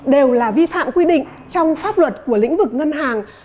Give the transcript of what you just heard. đều là vi phạm quy định trong pháp luật của lĩnh vực ngân hàng